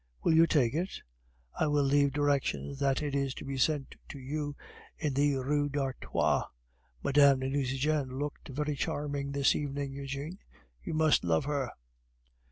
Will you take it? I will leave directions that it is to be sent to you in the Rue d'Artois. Mme. de Nucingen looked very charming this evening. Eugene, you must love her.